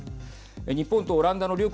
日本とオランダの両国